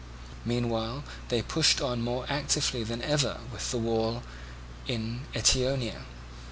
Meanwhile they pushed on more actively than ever with the wall in Eetionia.